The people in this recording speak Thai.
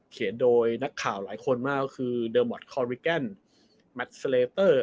โดยนักข่าวหลายคนมากก็คือเดอร์มอทคอริแกนแมทเซเลเตอร์